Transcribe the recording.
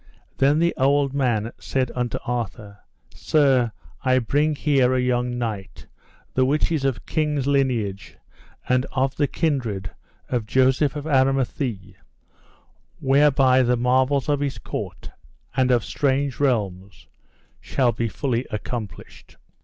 Then the old man said unto Arthur: Sir, I bring here a young knight, the which is of king's lineage, and of the kindred of Joseph of Aramathie, whereby the marvels of this court, and of strange realms, shall be fully accomplished.